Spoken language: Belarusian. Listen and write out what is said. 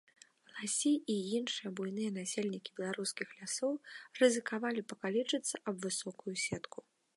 Ласі і іншыя буйныя насельнікі беларускіх лясоў рызыкавалі пакалечыцца аб высокую сетку.